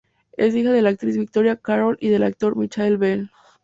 Es hija de la actriz Victoria Carroll y del actor Michael Bell.